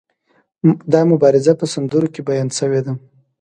دا مبارزه په سندرو کې هم بیان شوې ده.